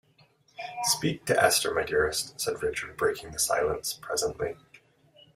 "Speak to Esther, my dearest," said Richard, breaking the silence presently.